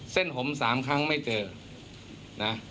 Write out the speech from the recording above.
เส้นโหมสามครั้งไม่เจอนะ